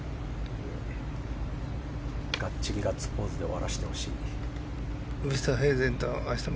がっちりガッツポーズで終わらせてほしい。